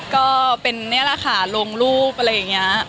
ก็เป็นนี่แหละค่ะลงรูปอะไรอย่างนี้